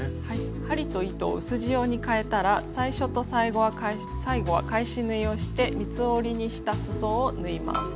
針と糸を薄地用にかえたら最初と最後は返し縫いをして三つ折りにしたすそを縫います。